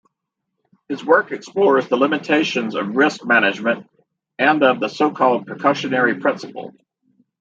His work explores the limitations of risk management and of the so-called precautionary principle.